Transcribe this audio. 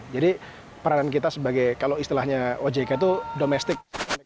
jadi peranan kita sebagai kalau istilahnya ojk itu domestic